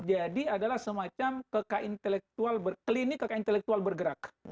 jadi adalah semacam klinik kekaintelektual bergerak